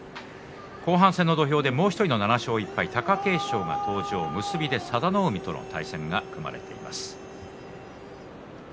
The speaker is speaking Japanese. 後半戦の土俵でもう１人の７勝１敗貴景勝が登場佐田の海戦が組まれています。